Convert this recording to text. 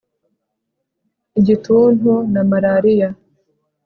igituntu na malariya